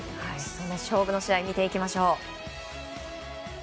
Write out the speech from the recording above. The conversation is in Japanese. そんな勝負の試合見ていきましょう。